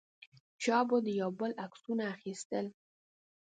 چا به د یو بل عکسونه اخیستل.